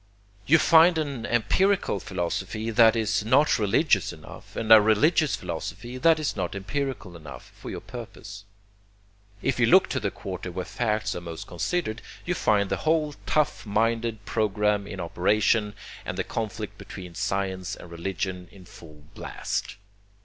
You find an empirical philosophy that is not religious enough, and a religious philosophy that is not empirical enough for your purpose. If you look to the quarter where facts are most considered you find the whole tough minded program in operation, and the 'conflict between science and religion' in full blast.